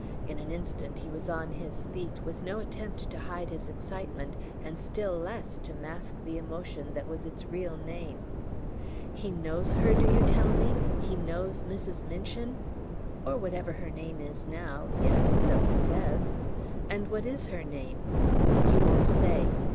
In an instant he was on his feet, with no attempt to hide his excitement, and still less to mask the emotion that was its real name. "He knows her, do you tell me? He knows Mrs. Minchin " "Or whatever her name is now; yes; so he says." "And what is her name?" "He won't say."